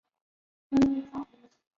效果与传统制法相当。